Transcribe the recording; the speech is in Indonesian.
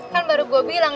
kan baru gue bilang